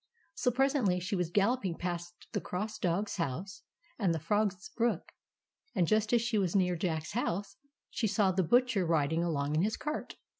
So presently she was galloping past the Cross Dog's house and the Frogs' brook ; and just as she was near Jack's house, she saw the Butcher riding along in his cart.